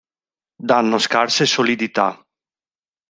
Danno scarse solidità.